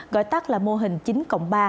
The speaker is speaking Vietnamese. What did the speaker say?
gọi tắt là mô hình chín cộng ba